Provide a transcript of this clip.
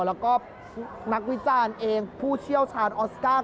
แล้วก็นักวิจารณ์เองผู้เชี่ยวชาญออสการ์